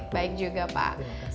baik juga pak